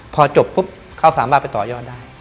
พอจบเข้าสามบ้านไปต่อยอดได้